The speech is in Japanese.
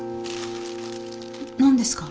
何ですか？